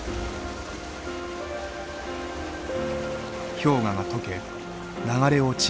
氷河が解け流れ落ちる